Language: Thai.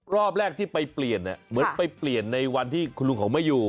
รอบแรกที่ไปเปลี่ยนเนี่ยเหมือนไปเปลี่ยนในวันที่คุณลุงเขาไม่อยู่